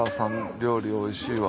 料理おいしいわ